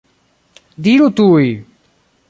Diru tuj!